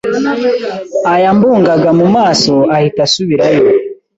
ayambugaga mu maso ahita asubirayo